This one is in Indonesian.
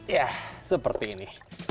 yah seperti ini